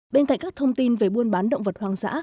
bên cạnh các thông tin về buôn bán động vật hoang dã